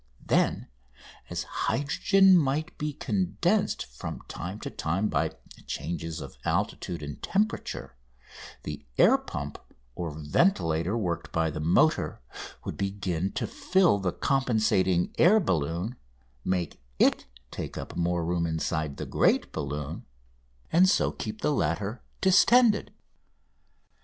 Then, as hydrogen might be condensed from time to time by changes of altitude and temperature, the air pump or ventilator worked by the motor would begin to fill the compensating air balloon, make it take up more room inside the great balloon, and so keep the latter distended.